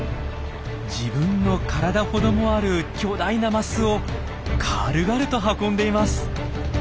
自分の体ほどもある巨大なマスを軽々と運んでいます。